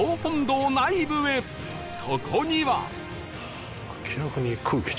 そこには